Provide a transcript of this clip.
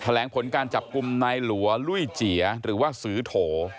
แหลงผลการจับกลุ่มนายหลัวลุ้ยเจียหรือว่าซื้อโถ